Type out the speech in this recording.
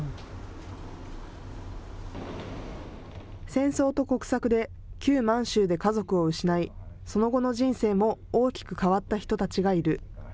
戦争と国策で旧満州で家族を失いその後の人生も大きく変わった人たちがいる。